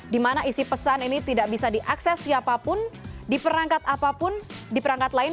dimana isi pesan ini tidak bisa diakses siapapun di perangkat apapun di perangkat lain